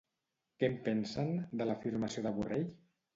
Què en pensen, de l'afirmació de Borrell?